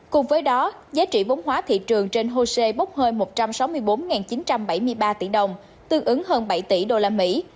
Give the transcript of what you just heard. cùng với đó giá trị vốn hóa thị trường trên hosea bốc hơi một trăm sáu mươi bốn chín trăm bảy mươi ba tỷ đồng tương ứng hơn bảy tỷ usd